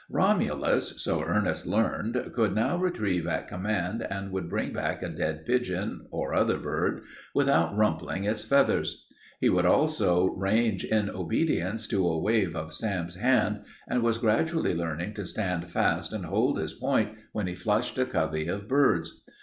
Romulus, so Ernest learned, could now retrieve at command and would bring back a dead pigeon or other bird without rumpling its feathers. He would also range in obedience to a wave of Sam's hand and was gradually learning to stand fast and hold his point when he flushed a covey of birds.